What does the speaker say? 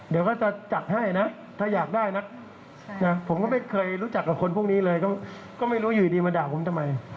เดี๋ยวก็จะจัดให้นะถ้าอยากได้นะผมก็ไม่เคยรู้จักกับคนพวกนี้เลยก็ไม่รู้อยู่ดีมาด่าผมทำไม